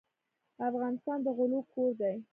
افغانستان د غلو کور دی.